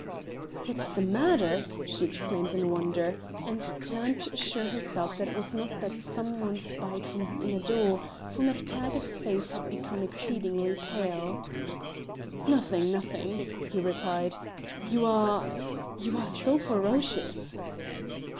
"What's the matter?" she exclaimed in wonder, and turned to assure herself that it was not that some one spied from the inner door, for Mac Taggart's face had become exceeding pale. "Nothing, nothing," he replied; "you are you are so ferocious."